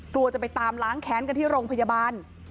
กลัวจะไปตามล้างแค้นกันที่โรงพยาบาล